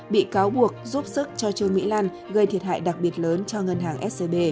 bị cáo buộc giúp sức cho trương mỹ lan gây thiệt hại đặc biệt lớn cho ngân hàng scb